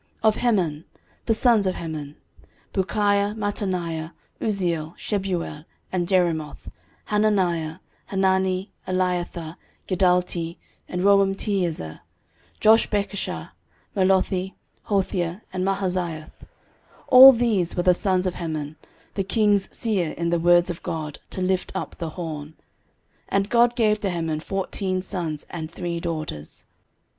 13:025:004 Of Heman: the sons of Heman: Bukkiah, Mattaniah, Uzziel, Shebuel, and Jerimoth, Hananiah, Hanani, Eliathah, Giddalti, and Romamtiezer, Joshbekashah, Mallothi, Hothir, and Mahazioth: 13:025:005 All these were the sons of Heman the king's seer in the words of God, to lift up the horn. And God gave to Heman fourteen sons and three daughters.